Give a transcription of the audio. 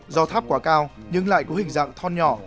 do tháp quá cao nhưng lại có hình dạng thon nhỏ